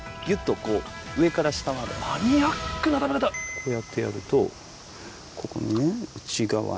こうやってやるとここのね内側に。